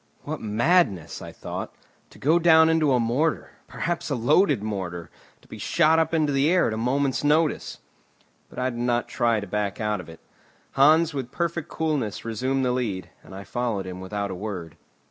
"What madness," I thought, "to go down into a mortar, perhaps a loaded mortar, to be shot up into the air at a moment's notice!" But I did not try to back out of it. Hans with perfect coolness resumed the lead, and I followed him without a word.